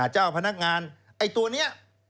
เจ้าพนักงานไอ้ตัวนี้